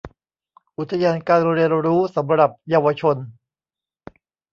อุทยานการเรียนรู้สำหรับเยาวชน